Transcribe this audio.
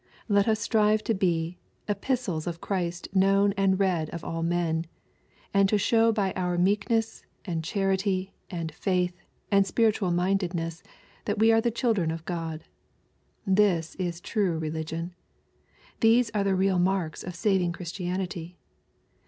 Let us strive to be " epistles of Christ known and read of all men," and to show by our meekness, and charity, and faith, and spiritual mindedness, that we are the children of God. This is true religion. These are the real marks of saving Chnstianity.